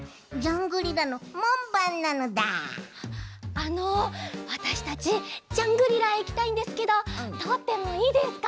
あのわたしたちジャングリラへいきたいんですけどとおってもいいですか？